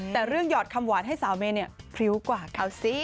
แต่เรื่องหยอดคำหวานให้สาวเมย์เนี่ยพริ้วกว่าเขาสิ